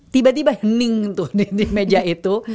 tiba tiba hening tuh di meja itu